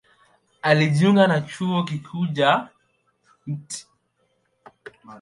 Alijiunga na Chuo Kikuu cha Mt.